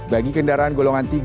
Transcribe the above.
bagi kendaraan golongan tiga